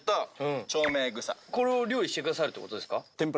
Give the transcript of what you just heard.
これを料理してくださるってことですか？